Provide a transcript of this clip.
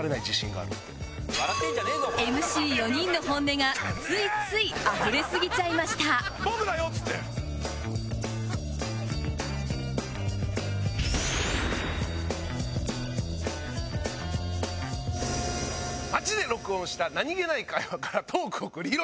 ＭＣ４人の本音がついついあふれ過ぎちゃいました街で録音した何げない会話からトークを繰り広げろ！